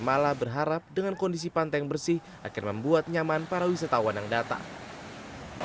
malah berharap dengan kondisi pantai yang bersih akan membuat nyaman para wisatawan yang datang